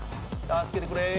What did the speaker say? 助けてくれ。